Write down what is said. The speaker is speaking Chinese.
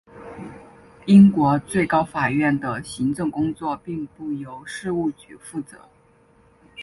英国最高法院的行政工作并不由事务局负责。